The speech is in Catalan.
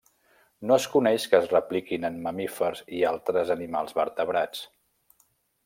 No es coneix que es repliquin en mamífers i altres animals vertebrats.